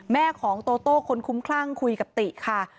แม่ของโตโต้คนคุ้มคลั่งคุยกับติค่ะ